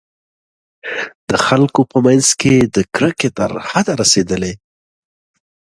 د خلکو په منځ کې د کرکې تر حده رسېدلي.